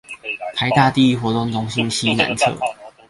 臺大第一活動中心西南側